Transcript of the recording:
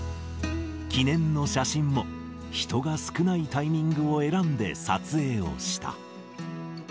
記念の写真も人が少ないタイミングを選んで撮影をした。